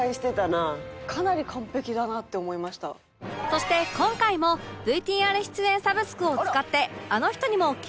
そして今回も ＶＴＲ 出演サブスクを使ってあの人にも聞いてみました